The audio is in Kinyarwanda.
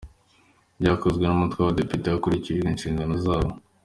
Ibyakozwe n’umutwe w’abadepite hakurikijwe inshingano zawo.